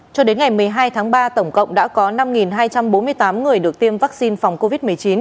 cho đến ngày một mươi hai tháng ba tổng cộng đã có năm hai trăm bốn mươi tám người được tiêm vaccine phòng covid một mươi chín